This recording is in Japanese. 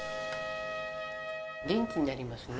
元気になりますね。